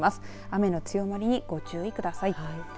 雨の強まりにご注意ください。